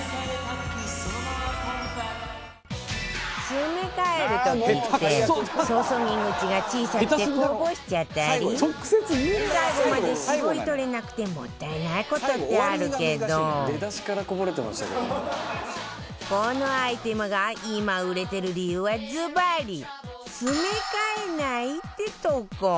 詰め替える時って注ぎ口が小さくてこぼしちゃったり最後まで搾り取れなくてもったいない事ってあるけどこのアイテムが今売れてる理由はずばり詰め替えないってとこ！